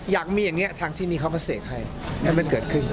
อยากมีอย่างนี้ทางที่นี่เขามาเสกให้ให้มันเกิดขึ้น